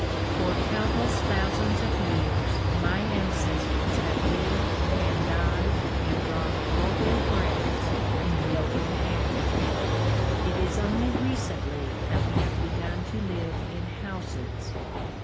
For countless thousands of years my ancestors have lived and died and drawn all their breaths in the open air. It is only recently that we have begun to live in houses.